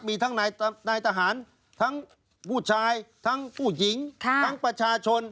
มีทั้งนายทหารทั้งผู้ชายทั้งผู้หญิงทั้งประชาชน